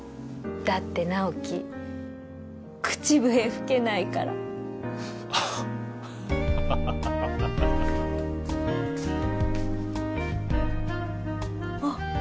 だって直木口笛吹けないからあっハハハハあっ